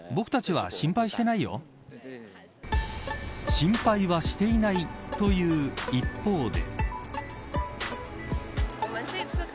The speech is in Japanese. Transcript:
心配はしていないと言う一方で。